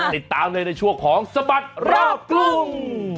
ติดตามในช่วงของสบัดรอบกลุ่ม